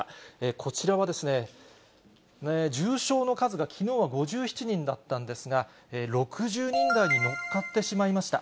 こちらは、重症の数がきのうは５７人だったんですが、６０人台に乗っかってしまいました。